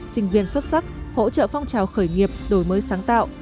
xuất sắc hỗ trợ phong trào khởi nghiệp đổi mới sáng tạo